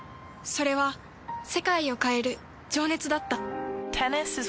それは世界を変える情熱だった。